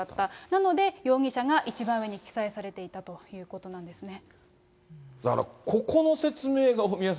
なので、容疑者が一番上に記載されていたということなんですね。